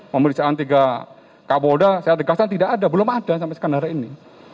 pemeriksaan tiga kapolda saya tegaskan tidak ada belum ada sampai sekarang hari ini